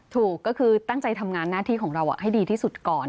ถูกก็คือตั้งใจทำงานหน้าที่ของเราให้ดีที่สุดก่อน